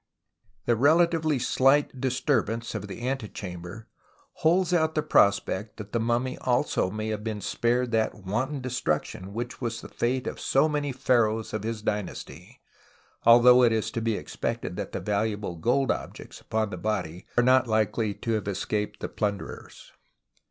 The relatively slight disturbance of the antechamber holds out the prospect that the mimimy also may have been spared that THE ETHICS OF DESECRATION 129 wanton destruction which w^as the fate of so many pharaohs of his dynasty, although it is to be expected that the valuable gold objects upon the body are not likely to have escaped the plunderers.